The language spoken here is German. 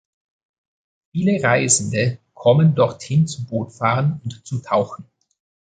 Viele Reisende kommen dorthin zum Bootfahren und zum Tauchen.